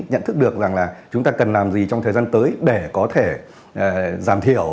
nhận thức được rằng là chúng ta cần làm gì trong thời gian tới để có thể giảm thiểu